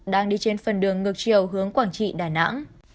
đang đi trên phần đường ngược chiều hướng quảng trị đà nẵng